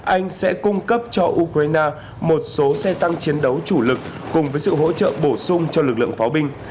anh sẽ cung cấp cho ukraine một số xe tăng chiến đấu chủ lực cùng với sự hỗ trợ bổ sung cho lực lượng pháo binh